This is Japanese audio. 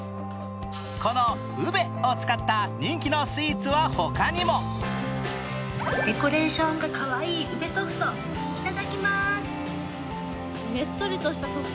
このウベを使った人気のスイーツは他にもデコレーションがかわいいウベソフト、いただきます。